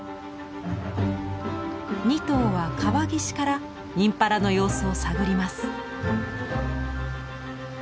２頭は川岸からインパラの様子を探ります。